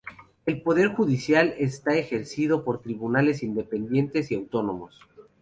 El poder judicial está ejercido por tribunales independientes y autónomos.